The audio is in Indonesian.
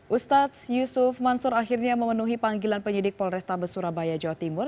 ustaz yusuf mansur akhirnya memenuhi panggilan penyidik polresta besurabaya jawa timur